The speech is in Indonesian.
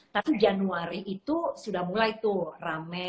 tapi januari itu sudah mulai tuh rame